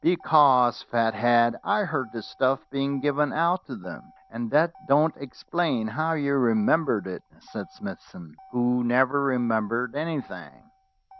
"Because, Fathead, I heard the stuff being given out to them." "And that don't explain how you remembered it," said Smithson, who never remembered anything.